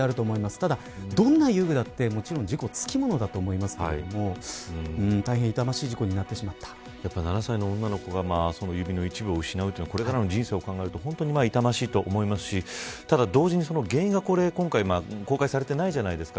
ただ、どんな遊具だってもちろん、事故はつき物だと思いますけれども大変痛ましい事故に７歳の女の子が指の一部を失うというのはこれからの人生を考えと本当に痛ましいと思いますしただ同時に原因が今回公開されてないじゃないですか。